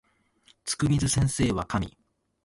つくみず先生は神